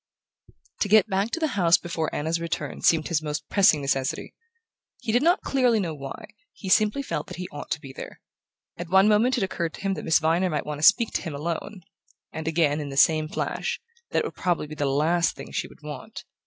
To get back to the house before Anna's return seemed his most pressing necessity. He did not clearly know why: he simply felt that he ought to be there. At one moment it occurred to him that Miss Viner might want to speak to him alone and again, in the same flash, that it would probably be the last thing she would want...